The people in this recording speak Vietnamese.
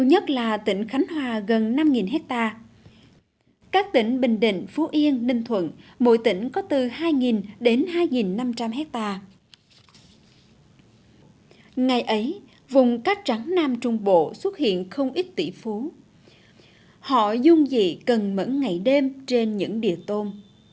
ngày ấy vùng cá trắng nam trung bộ xuất hiện không ít tỷ phú họ dung dị cần mẫn ngày đêm trên những địa tôm